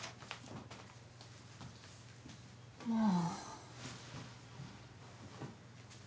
もう。